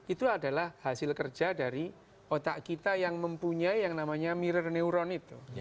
itu adalah hasil kerja dari otak kita yang mempunyai yang namanya mirror neuron itu